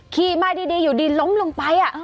ขี่มาดีอยู่ดีล้มลงไป